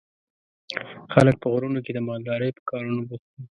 خلک په غرونو کې د مالدارۍ په کارونو بوخت دي.